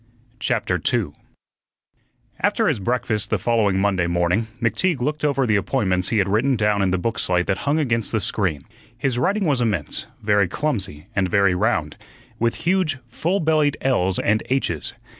CHAPTER 2 After his breakfast the following Monday morning, McTeague looked over the appointments he had written down in the book slate that hung against the screen. His writing was immense, very clumsy, and very round, with huge, full bellied l's and h's.